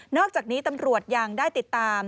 อกจากนี้ตำรวจยังได้ติดตาม